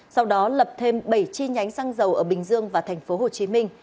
sau đó lập thêm bảy chi nhánh xăng dầu ở bình dương và tp hcm